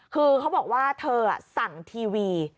คือเขาบอกว่าเธอสั่งทีวี